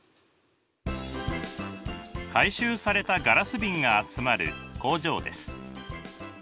回収されたガラス瓶が集まる工場です。